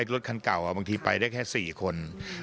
รถคันเก่าบางทีไปได้แค่๔คน